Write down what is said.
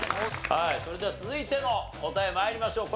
それでは続いての答え参りましょう。